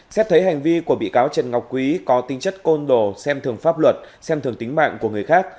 xét thấy hành vi của bị cáo trần ngọc quý có tính chất côn đồ xem thường pháp luật xem thường tính mạng của người khác